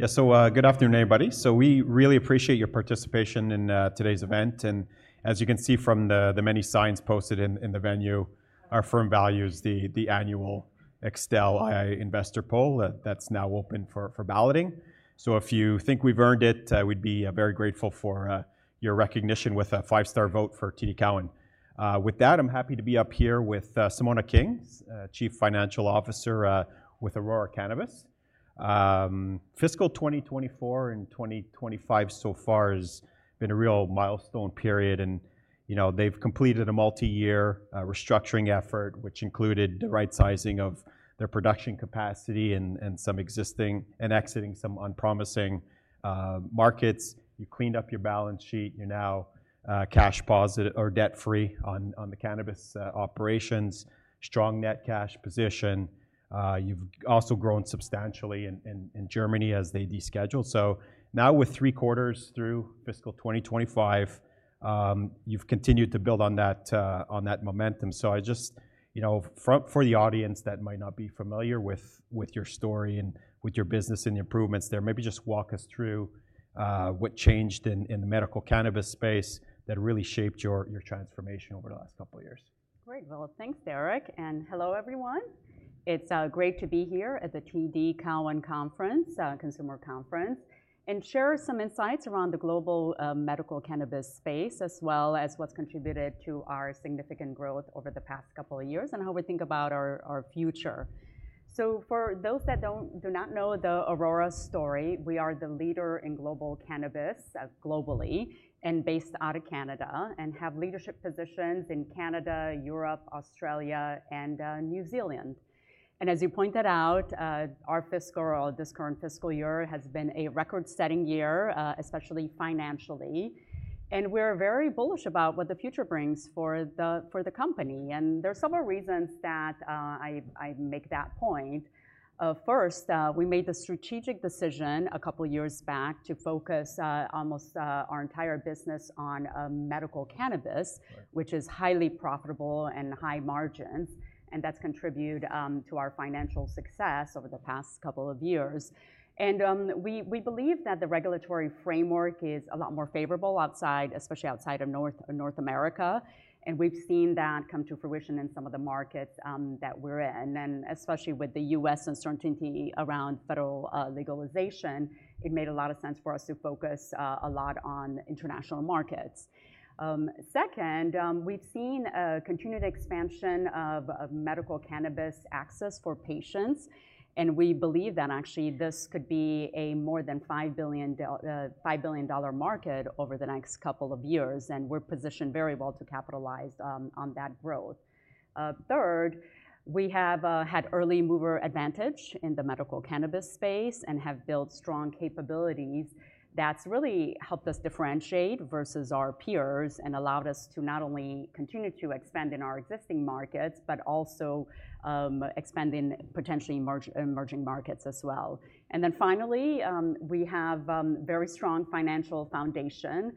Yeah, good afternoon, everybody. We really appreciate your participation in today's event. As you can see from the many signs posted in the venue, our firm values the annual Extel Investor Poll that is now open for balloting. If you think we've earned it, we'd be very grateful for your recognition with a five-star vote for TD Cowen. With that, I'm happy to be up here with Simona King, Chief Financial Officer with Aurora Cannabis. Fiscal 2024 and 2025 so far has been a real milestone period. You know, they've completed a multi-year restructuring effort, which included the right-sizing of their production capacity and exiting some unpromising markets. You cleaned up your balance sheet. You're now cash positive or debt-free on the cannabis operations, strong net cash position. You've also grown substantially in Germany as they deschedule. Now with three quarters through fiscal 2025, you've continued to build on that momentum. I just, you know, for the audience that might not be familiar with your story and with your business and the improvements there, maybe just walk us through what changed in the medical cannabis space that really shaped your transformation over the last couple of years. Great. Thanks, Derek. Hello, everyone. It is great to be here at the TD Cowen Conference, Consumer Conference, and share some insights around the global medical cannabis space as well as what has contributed to our significant growth over the past couple of years and how we think about our future. For those that do not know the Aurora story, we are the leader in global cannabis, globally and based out of Canada and have leadership positions in Canada, Europe, Australia, and New Zealand. As you pointed out, this current fiscal year has been a record-setting year, especially financially. We are very bullish about what the future brings for the company. There are several reasons that I make that point. First, we made the strategic decision a couple of years back to focus, almost, our entire business on medical cannabis, which is highly profitable and high margins, and that has contributed to our financial success over the past couple of years. We believe that the regulatory framework is a lot more favorable outside, especially outside of North America. We have seen that come to fruition in some of the markets that we are in. Especially with the U.S. uncertainty around federal legalization, it made a lot of sense for us to focus a lot on international markets. Second, we have seen continued expansion of medical cannabis access for patients. We believe that actually this could be a more than 5 billion dollar market over the next couple of years, and we are positioned very well to capitalize on that growth. Third, we have had early mover advantage in the medical cannabis space and have built strong capabilities that's really helped us differentiate versus our peers and allowed us to not only continue to expand in our existing markets, but also expand in potentially emerging markets as well. Finally, we have a very strong financial foundation.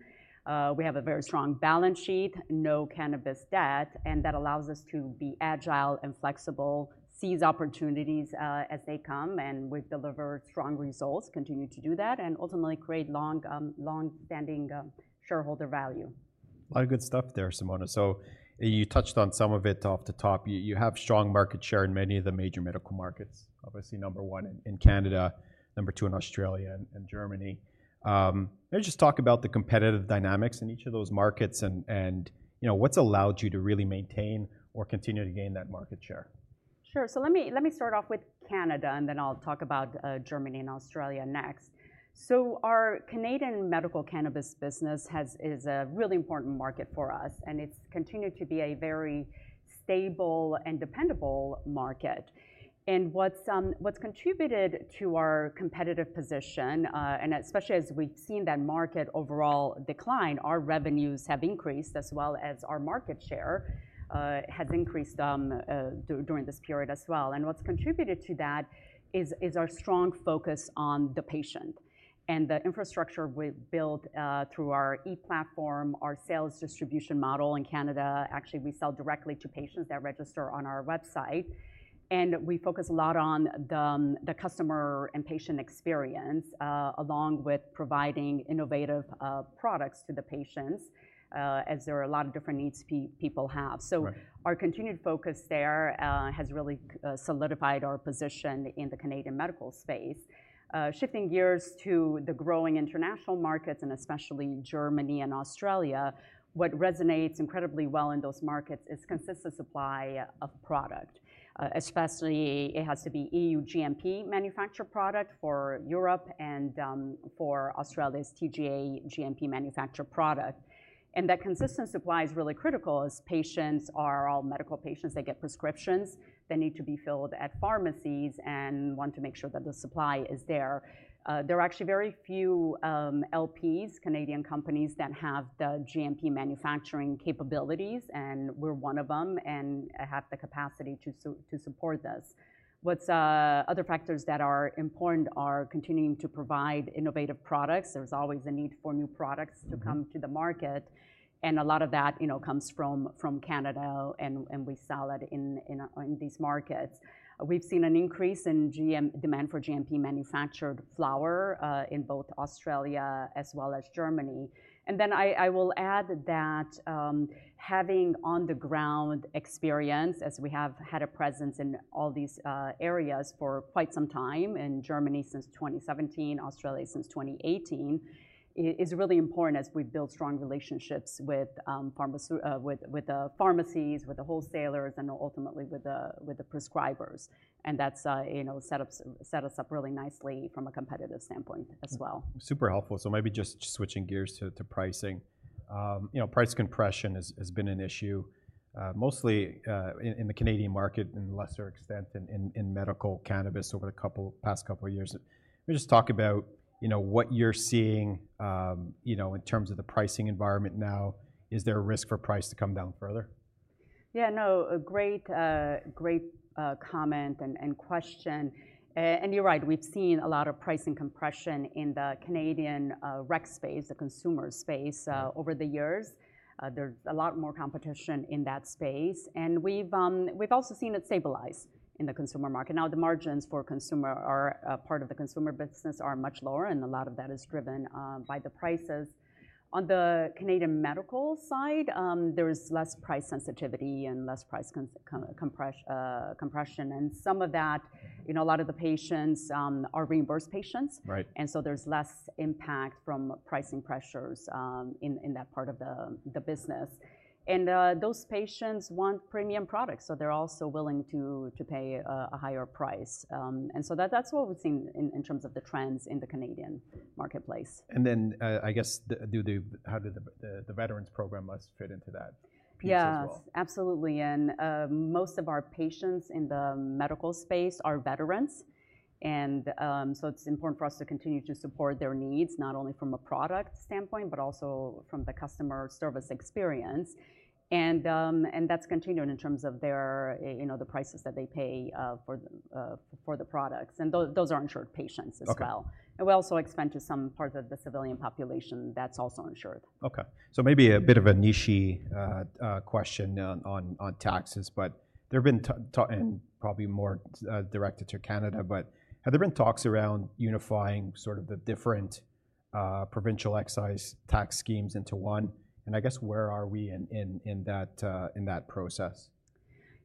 We have a very strong balance sheet, no cannabis debt, and that allows us to be agile and flexible, seize opportunities as they come. We have delivered strong results, continue to do that, and ultimately create long-standing shareholder value. A lot of good stuff there, Simona. You touched on some of it off the top. You have strong market share in many of the major medical markets, obviously number one in Canada, number two in Australia and Germany. Maybe just talk about the competitive dynamics in each of those markets and, you know, what's allowed you to really maintain or continue to gain that market share. Sure. Let me start off with Canada and then I'll talk about Germany and Australia next. Our Canadian medical cannabis business is a really important market for us, and it's continued to be a very stable and dependable market. What's contributed to our competitive position, especially as we've seen that market overall decline, is our revenues have increased as well as our market share has increased during this period as well. What's contributed to that is our strong focus on the patient and the infrastructure we've built through our e-platform, our sales distribution model in Canada. Actually, we sell directly to patients that register on our website. We focus a lot on the customer and patient experience, along with providing innovative products to the patients, as there are a lot of different needs people have. Our continued focus there has really solidified our position in the Canadian medical space. Shifting gears to the growing international markets and especially Germany and Australia, what resonates incredibly well in those markets is consistent supply of product. Especially, it has to be EU GMP-manufactured product for Europe and, for Australia, TGA GMP-manufactured product. That consistent supply is really critical as patients are all medical patients. They get prescriptions that need to be filled at pharmacies and want to make sure that the supply is there. There are actually very few LPs, Canadian companies that have the GMP manufacturing capabilities, and we are one of them and have the capacity to support this. Other factors that are important are continuing to provide innovative products. There is always a need for new products to come to the market. A lot of that, you know, comes from Canada and we sell it in these markets. We've seen an increase in GMP demand for GMP-manufactured flour in both Australia as well as Germany. I will add that having on-the-ground experience, as we have had a presence in all these areas for quite some time, in Germany since 2017, Australia since 2018, it is really important as we build strong relationships with pharmacies, with the wholesalers, and ultimately with the prescribers. That's, you know, set us up really nicely from a competitive standpoint as well. Super helpful. Maybe just switching gears to pricing. You know, price compression has been an issue, mostly in the Canadian market and to a lesser extent in medical cannabis over the past couple of years. Can you just talk about what you're seeing in terms of the pricing environment now? Is there a risk for price to come down further? Yeah, no, a great, great comment and question. You're right, we've seen a lot of pricing compression in the Canadian rec space, the consumer space, over the years. There's a lot more competition in that space. We've also seen it stabilize in the consumer market. Now the margins for consumer, part of the consumer business, are much lower, and a lot of that is driven by the prices. On the Canadian medical side, there's less price sensitivity and less price compression. Some of that, you know, a lot of the patients are reimbursed patients. Right. There is less impact from pricing pressures in that part of the business. Those patients want premium products, so they are also willing to pay a higher price. That is what we have seen in terms of the trends in the Canadian marketplace. I guess, do the, how did the veterans program must fit into that piece as well? Yeah, absolutely. Most of our patients in the medical space are veterans. It is important for us to continue to support their needs, not only from a product standpoint, but also from the customer service experience. That has continued in terms of their, you know, the prices that they pay for the products. Those are insured patients as well. Okay. We also expend to some parts of the civilian population that's also insured. Okay. Maybe a bit of a niche question on taxes, but there have been, and probably more directed to Canada, but have there been talks around unifying the different provincial excise tax schemes into one? I guess where are we in that process?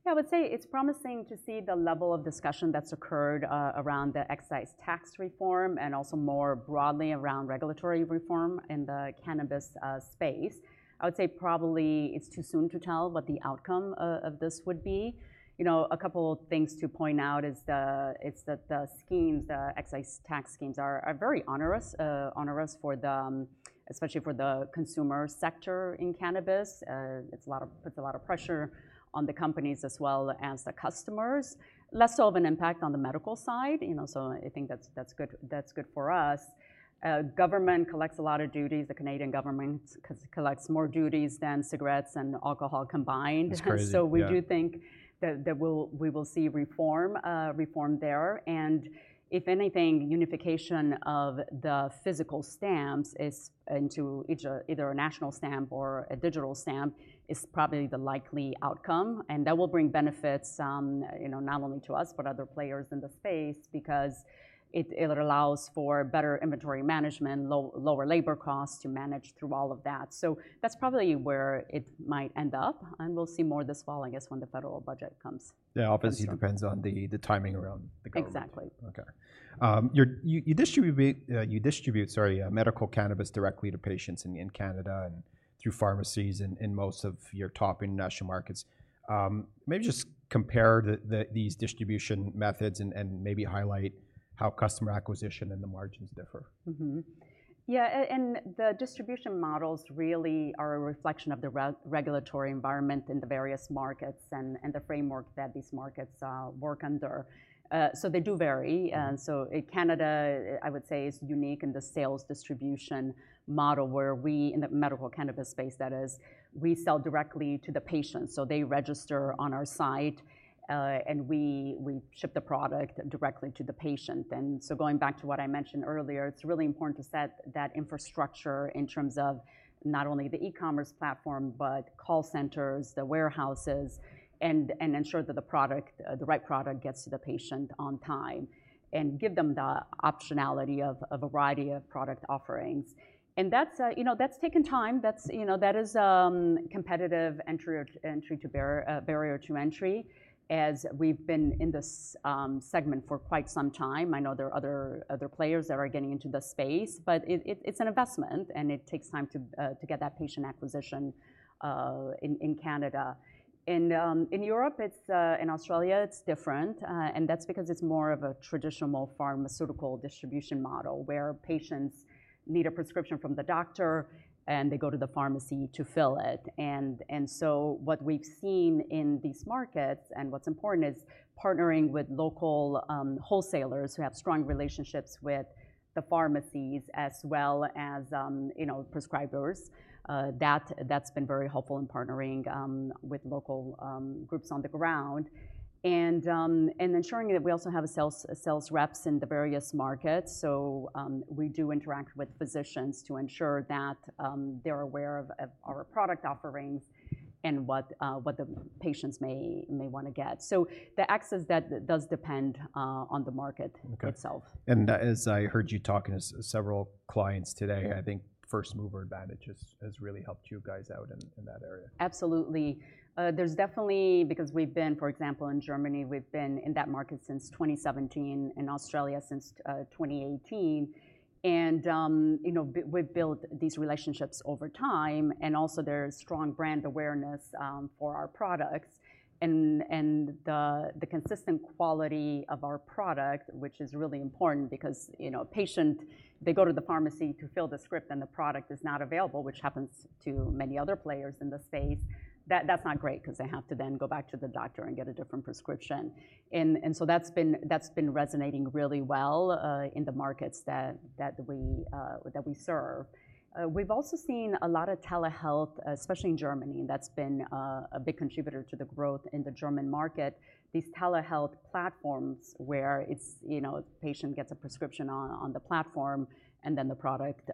Yeah, I would say it's promising to see the level of discussion that's occurred around the excise tax reform and also more broadly around regulatory reform in the cannabis space. I would say probably it's too soon to tell what the outcome of this would be. You know, a couple of things to point out is that the schemes, the excise tax schemes, are very onerous, especially for the consumer sector in cannabis. It puts a lot of pressure on the companies as well as the customers. Less of an impact on the medical side, you know, so I think that's good, that's good for us. Government collects a lot of duties. The Canadian government collects more duties than cigarettes and alcohol combined. That's crazy. We do think that we will see reform there. If anything, unification of the physical stamps into either a national stamp or a digital stamp is probably the likely outcome. That will bring benefits, you know, not only to us, but other players in the space because it allows for better inventory management, lower labor costs to manage through all of that. That is probably where it might end up. We will see more this fall, I guess, when the federal budget comes. Yeah, obviously depends on the timing around the government. Exactly. Okay. You distribute medical cannabis directly to patients in Canada and through pharmacies in most of your top international markets. Maybe just compare these distribution methods and maybe highlight how customer acquisition and the margins differ. Mm-hmm. Yeah. The distribution models really are a reflection of the regulatory environment in the various markets and the framework that these markets work under. They do vary. Canada, I would say, is unique in the sales distribution model where we, in the medical cannabis space, that is, we sell directly to the patients. They register on our site, and we ship the product directly to the patient. Going back to what I mentioned earlier, it's really important to set that infrastructure in terms of not only the e-commerce platform, but call centers, the warehouses, and ensure that the right product gets to the patient on time and give them the optionality of a variety of product offerings. That's, you know, that's taken time. That's, you know, that is competitive entry or barrier to entry as we've been in this segment for quite some time. I know there are other players that are getting into the space, but it's an investment and it takes time to get that patient acquisition in Canada. In Europe, in Australia, it's different. That's because it's more of a traditional pharmaceutical distribution model where patients need a prescription from the doctor and they go to the pharmacy to fill it. What we've seen in these markets and what's important is partnering with local wholesalers who have strong relationships with the pharmacies as well as, you know, prescribers. That's been very helpful in partnering with local groups on the ground and ensuring that we also have sales reps in the various markets. We do interact with physicians to ensure that they're aware of our product offerings and what the patients may want to get. The access does depend on the market itself. Okay. As I heard you talking to several clients today, I think first mover advantage has really helped you guys out in that area. Absolutely. There's definitely, because we've been, for example, in Germany, we've been in that market since 2017 and Australia since 2018. And, you know, we've built these relationships over time. Also, there's strong brand awareness for our products and the consistent quality of our product, which is really important because, you know, a patient, they go to the pharmacy to fill the script and the product is not available, which happens to many other players in the space. That's not great 'cause they have to then go back to the doctor and get a different prescription. That has been resonating really well in the markets that we serve. We've also seen a lot of telehealth, especially in Germany, and that's been a big contributor to the growth in the German market. These telehealth platforms where it's, you know, the patient gets a prescription on, on the platform and then the product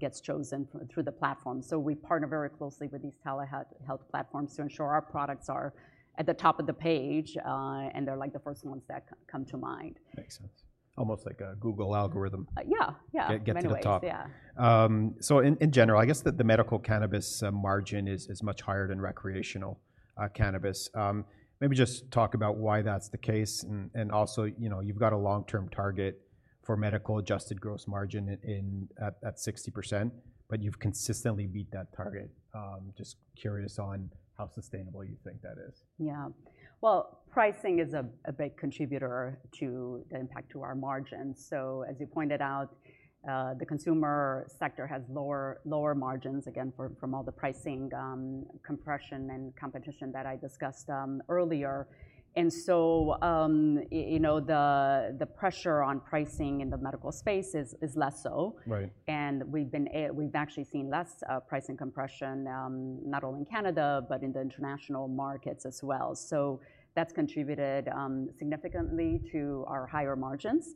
gets chosen through the platform. We partner very closely with these telehealth platforms to ensure our products are at the top of the page, and they're like the first ones that come to mind. Makes sense. Almost like a Google algorithm. Yeah. Yeah. Gets the talk. Anyways, yeah. In general, I guess that the medical cannabis margin is much higher than recreational cannabis. Maybe just talk about why that's the case. Also, you know, you've got a long-term target for medical adjusted gross margin at 60%, but you've consistently beat that target. Just curious on how sustainable you think that is. Yeah. Pricing is a big contributor to the impact to our margins. As you pointed out, the consumer sector has lower margins again from all the pricing compression and competition that I discussed earlier. You know, the pressure on pricing in the medical space is less so. Right. We have actually seen less pricing compression, not only in Canada, but in the international markets as well. That has contributed significantly to our higher margins,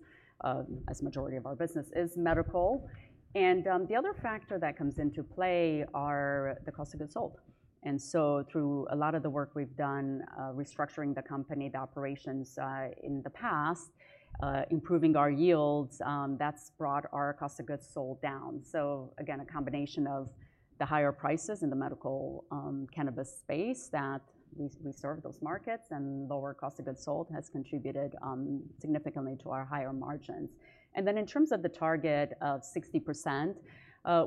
as a majority of our business is medical. The other factor that comes into play is the cost of goods sold. Through a lot of the work we have done restructuring the company and the operations in the past, improving our yields, that has brought our cost of goods sold down. A combination of the higher prices in the medical cannabis space that we serve in those markets and lower cost of goods sold has contributed significantly to our higher margins. In terms of the target of 60%,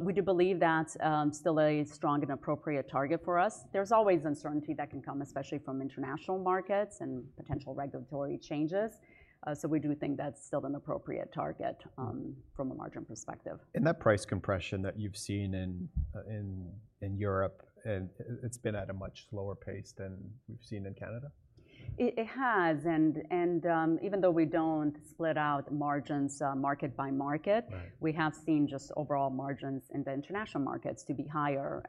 we do believe that is still a strong and appropriate target for us. There is always uncertainty that can come, especially from international markets and potential regulatory changes. So we do think that's still an appropriate target, from a margin perspective. That price compression that you've seen in Europe, it's been at a much slower pace than we've seen in Canada? It has. Even though we do not split out margins market by market, we have seen just overall margins in the international markets to be higher.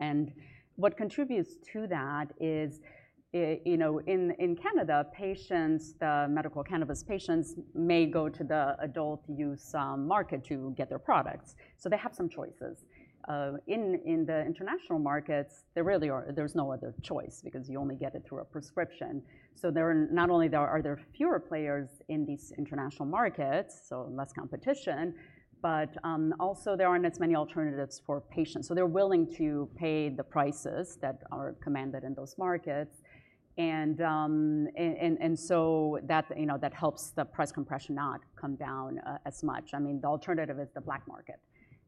What contributes to that is, you know, in Canada, patients, the medical cannabis patients may go to the adult use market to get their products. They have some choices. In the international markets, there really are, there is no other choice because you only get it through a prescription. There are not only fewer players in these international markets, so less competition, but also there are not as many alternatives for patients. They are willing to pay the prices that are commanded in those markets. That helps the price compression not come down as much. I mean, the alternative is the black market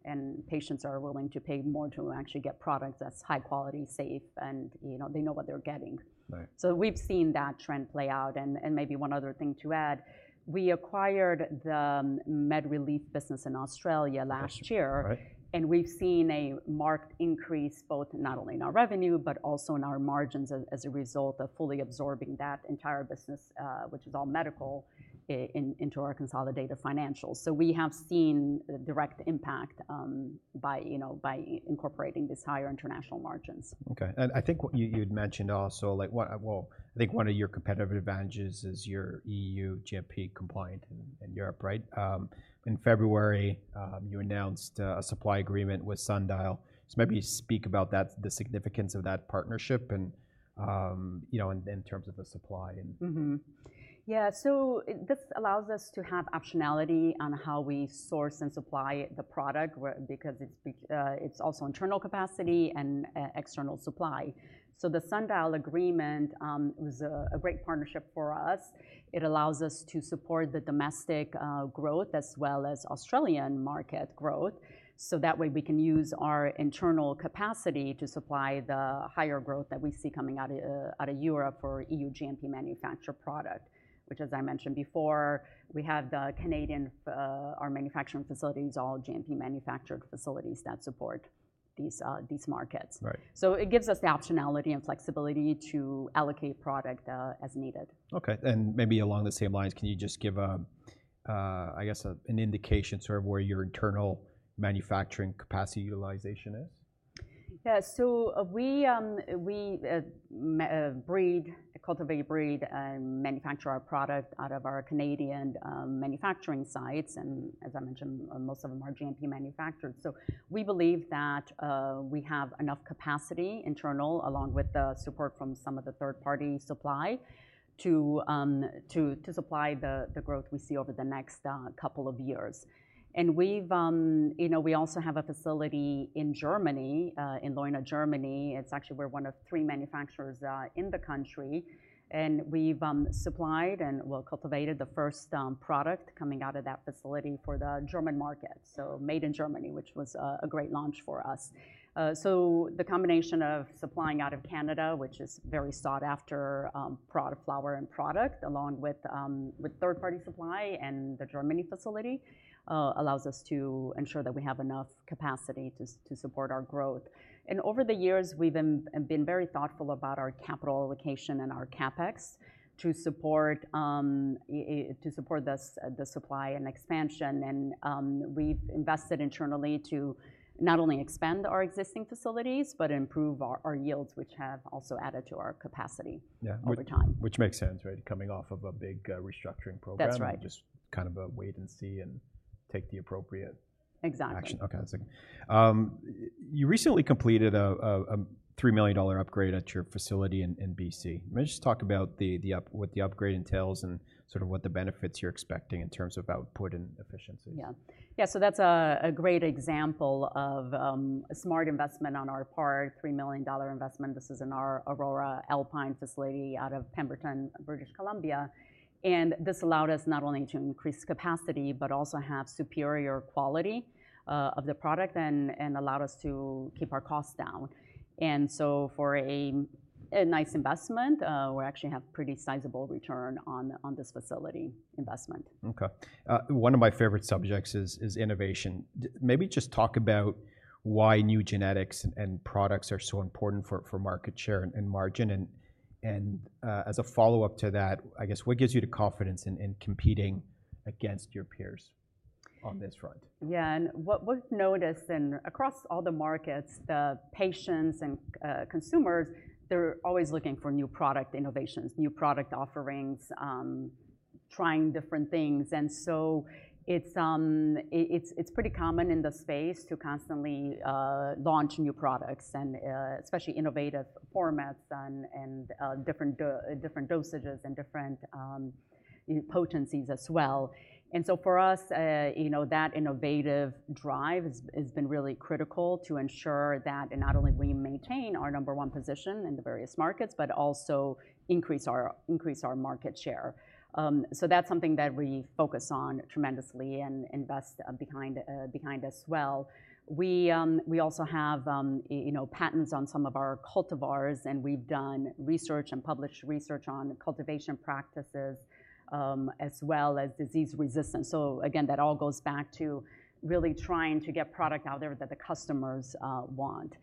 and patients are willing to pay more to actually get products that's high quality, safe, and, you know, they know what they're getting. Right. We've seen that trend play out. And maybe one other thing to add, we acquired the MedReleaf business in Australia last year. Right. We have seen a marked increase not only in our revenue, but also in our margins as a result of fully absorbing that entire business, which is all medical, into our consolidated financials. We have seen the direct impact by incorporating these higher international margins. Okay. I think what you, you had mentioned also, like what, I think one of your competitive advantages is your EU GMP compliant in, in Europe, right? In February, you announced a supply agreement with Sundial. Maybe speak about that, the significance of that partnership and, you know, in terms of the supply and. Mm-hmm. Yeah. This allows us to have optionality on how we source and supply the product, where because it's Bevo, it's also internal capacity and external supply. The Sundial agreement was a great partnership for us. It allows us to support the domestic growth as well as Australian market growth. That way we can use our internal capacity to supply the higher growth that we see coming out of Europe for EU GMP-manufactured product, which, as I mentioned before, we have the Canadian, our manufacturing facilities, all GMP-manufactured facilities that support these markets. Right. It gives us the optionality and flexibility to allocate product, as needed. Okay. Maybe along the same lines, can you just give a, I guess a, an indication sort of where your internal manufacturing capacity utilization is? Yeah. So we breed, cultivate, breed, manufacture our product out of our Canadian manufacturing sites. As I mentioned, most of them are GMP manufactured. We believe that we have enough capacity internal along with the support from some of the third party supply to supply the growth we see over the next couple of years. You know, we also have a facility in Germany, in Leuna, Germany. Actually, we are one of three manufacturers in the country. We have supplied and cultivated the first product coming out of that facility for the German market. Made in Germany, which was a great launch for us. The combination of supplying out of Canada, which is very sought after, product flower and product along with third party supply and the Germany facility, allows us to ensure that we have enough capacity to support our growth. Over the years, we've been very thoughtful about our capital allocation and our CapEx to support this, the supply and expansion. We've invested internally to not only expand our existing facilities, but improve our yields, which have also added to our capacity. Yeah. Over time. Which makes sense, right? Coming off of a big, restructuring program. That's right. Just kind of a wait and see and take the appropriate. Exactly. Action. Okay. That's it. You recently completed a 3 million dollar upgrade at your facility in B.C. Let me just talk about what the upgrade entails and sort of what the benefits you're expecting in terms of output and efficiency. Yeah. Yeah. That is a great example of a smart investment on our part, 3 million dollar investment. This is in our Aurora Alpine facility out of Pemberton, British Columbia. This allowed us not only to increase capacity, but also have superior quality of the product and allowed us to keep our costs down. For a nice investment, we actually have pretty sizable return on this facility investment. Okay. One of my favorite subjects is innovation. Maybe just talk about why new genetics and products are so important for market share and margin. As a follow-up to that, I guess what gives you the confidence in competing against your peers on this front? Yeah. What we've noticed across all the markets, the patients and consumers, they're always looking for new product innovations, new product offerings, trying different things. It's pretty common in the space to constantly launch new products, especially innovative formats and different dosages and different potencies as well. For us, that innovative drive has been really critical to ensure that not only we maintain our number one position in the various markets, but also increase our market share. That's something that we focus on tremendously and invest behind as well. We also have patents on some of our cultivars and we've done research and published research on cultivation practices, as well as disease resistance. Again, that all goes back to really trying to get product out there that the customers want.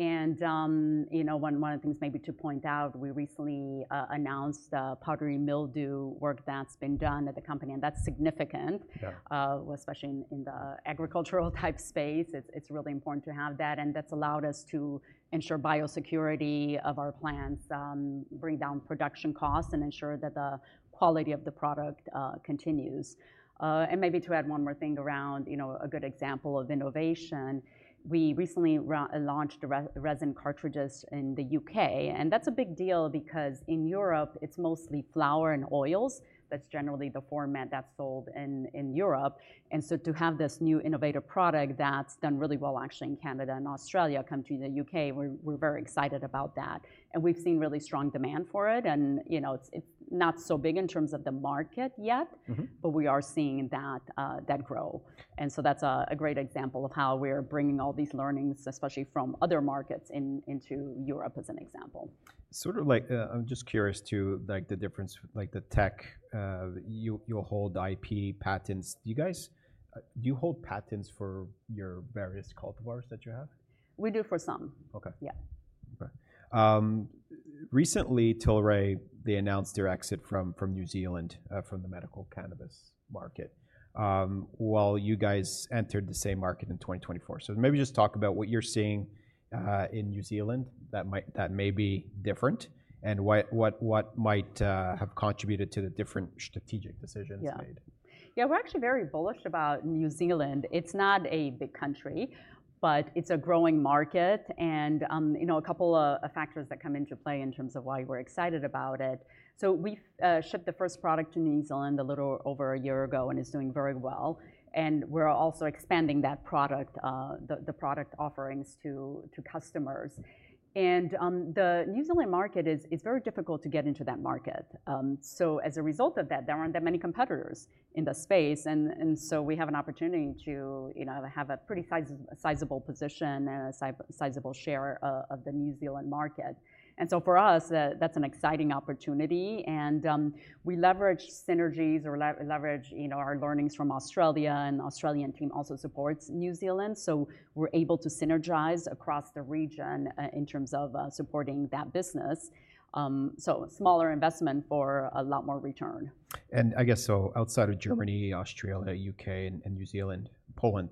And, you know, one of the things maybe to point out, we recently announced the powdery mildew work that's been done at the company and that's significant. Yeah. Especially in the agricultural type space, it's really important to have that. That's allowed us to ensure biosecurity of our plants, bring down production costs, and ensure that the quality of the product continues. Maybe to add one more thing around, you know, a good example of innovation, we recently launched resin cartridges in the U.K. That's a big deal because in Europe, it's mostly flower and oils. That's generally the format that's sold in Europe. To have this new innovative product that's done really well actually in Canada and Australia come to the U.K., we're very excited about that. We've seen really strong demand for it. You know, it's not so big in terms of the market yet, but we are seeing that grow. That's a great example of how we are bringing all these learnings, especially from other markets, into Europe as an example. Sort of like, I'm just curious to like the difference, like the tech, you, you'll hold IP patents. Do you guys, do you hold patents for your various cultivars that you have? We do for some. Okay. Yeah. Okay. Recently, Tilray, they announced their exit from New Zealand, from the medical cannabis market, while you guys entered the same market in 2024. Maybe just talk about what you're seeing in New Zealand that might, that may be different and what might have contributed to the different strategic decisions made. Yeah. Yeah. We're actually very bullish about New Zealand. It's not a big country, but it's a growing market. And, you know, a couple of factors that come into play in terms of why we're excited about it. We've shipped the first product to New Zealand a little over a year ago and it is doing very well. We're also expanding that product, the product offerings to customers. The New Zealand market is very difficult to get into. As a result of that, there aren't that many competitors in the space, and we have an opportunity to have a pretty sizable position and a sizable share of the New Zealand market. For us, that's an exciting opportunity. We leverage synergies or leverage, you know, our learnings from Australia. The Australian team also supports New Zealand. We are able to synergize across the region, in terms of supporting that business, so smaller investment for a lot more return. I guess so outside of Germany, Australia, U.K., and New Zealand, Poland,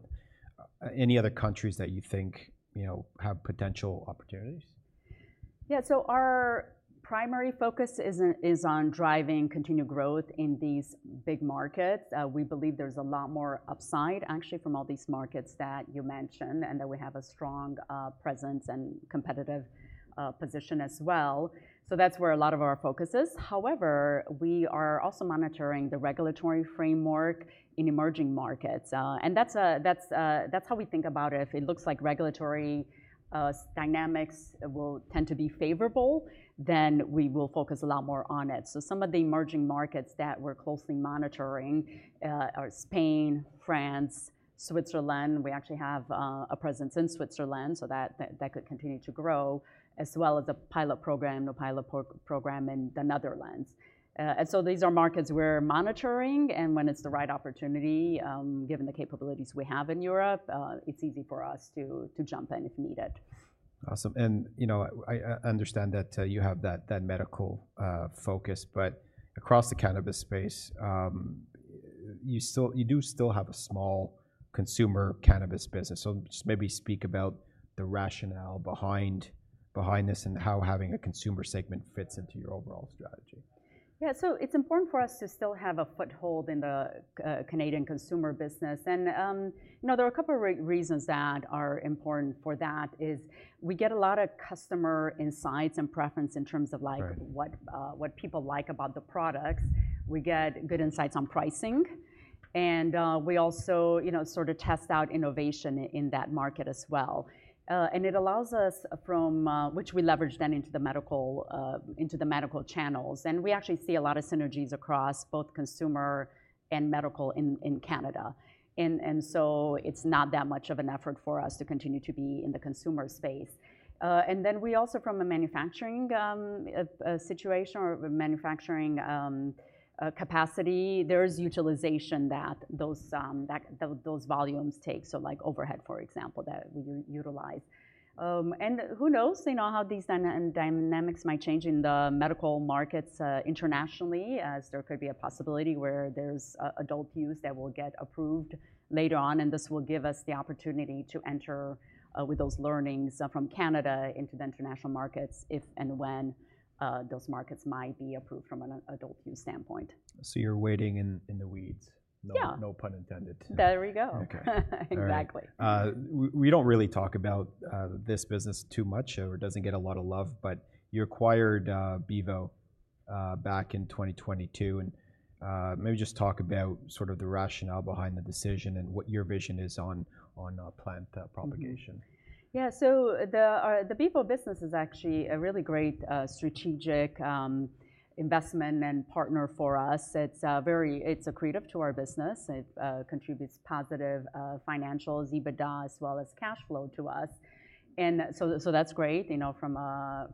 any other countries that you think, you know, have potential opportunities? Yeah. Our primary focus is on driving continued growth in these big markets. We believe there is a lot more upside actually from all these markets that you mentioned and that we have a strong presence and competitive position as well. That is where a lot of our focus is. However, we are also monitoring the regulatory framework in emerging markets. That is how we think about it. If it looks like regulatory dynamics will tend to be favorable, then we will focus a lot more on it. Some of the emerging markets that we are closely monitoring are Spain, France, Switzerland. We actually have a presence in Switzerland. That could continue to grow as well as a pilot program in the Netherlands. These are markets we are monitoring. When it's the right opportunity, given the capabilities we have in Europe, it's easy for us to jump in if needed. Awesome. You know, I understand that you have that medical focus, but across the cannabis space, you do still have a small consumer cannabis business. Just maybe speak about the rationale behind this and how having a consumer segment fits into your overall strategy. Yeah. So it's important for us to still have a foothold in the Canadian consumer business. And, you know, there are a couple of reasons that are important for that is we get a lot of customer insights and preference in terms of like what people like about the products. We get good insights on pricing. And, we also, you know, sort of test out innovation in that market as well. It allows us, which we leverage then into the medical, into the medical channels. We actually see a lot of synergies across both consumer and medical in Canada. And so it's not that much of an effort for us to continue to be in the consumer space. We also, from a manufacturing situation or manufacturing capacity, there's utilization that those volumes take. Like overhead, for example, that we utilize. And who knows, you know, how these dynamics might change in the medical markets internationally, as there could be a possibility where there's an adult use that will get approved later on. This will give us the opportunity to enter, with those learnings from Canada into the international markets if and when those markets might be approved from an adult use standpoint. You're waiting in, in the weeds. Yeah. No, no pun intended. There we go. Okay. Exactly. We do not really talk about this business too much or it does not get a lot of love, but you acquired Bevo back in 2022. Maybe just talk about sort of the rationale behind the decision and what your vision is on plant propagation. Yeah. The Bevo business is actually a really great, strategic investment and partner for us. It's a very, it's accretive to our business. It contributes positive financials, EBITDA as well as cash flow to us. That's great, you know, from a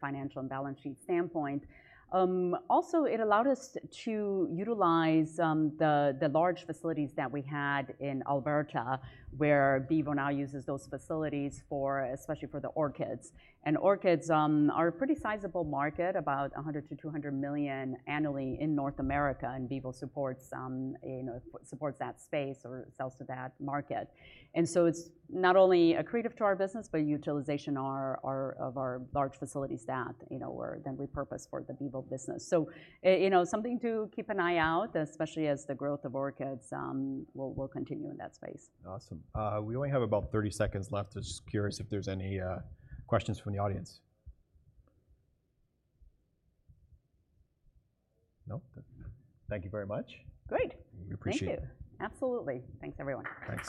financial and balance sheet standpoint. Also, it allowed us to utilize the large facilities that we had in Alberta where Bevo now uses those facilities, especially for the orchids. Orchids are a pretty sizable market, about 100 million-200 million annually in North America. Bevo supports, you know, supports that space or sells to that market. It's not only accretive to our business, but utilization of our large facilities that, you know, were then repurposed for the Bevo business. You know, something to keep an eye out, especially as the growth of orchids will continue in that space. Awesome. We only have about 30 seconds left. I'm just curious if there's any questions from the audience. Nope. Thank you very much. Great. We appreciate it. Thank you. Absolutely. Thanks, everyone. Thanks.